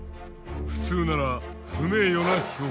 普通なら不名誉な評価。